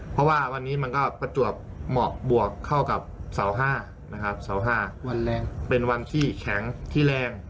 เพราะว่าวันนี้มันก็ประจวบเหมาะบวกเข้ากับเสาห้าเป็นวันที่แข็งที่แรง